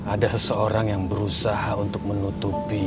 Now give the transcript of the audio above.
ada seseorang yang berusaha untuk menutupi